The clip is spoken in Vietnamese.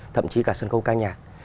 thậm chí cả sân khấu ca nhạc